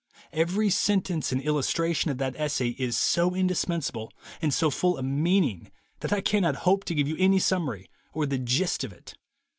Every sentence and illustration of that essay is so indispensable and full of meaning, that I can not hope to give you any summary, or the "gist" of it.